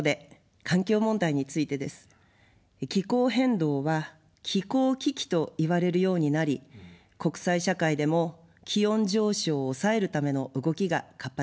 気候変動は気候危機といわれるようになり、国際社会でも気温上昇を抑えるための動きが活発です。